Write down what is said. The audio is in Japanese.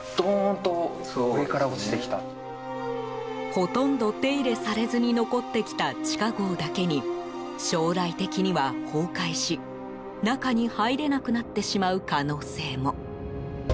ほとんど手入れされずに残ってきた地下壕だけに将来的には崩壊し中に入れなくなってしまう可能性も。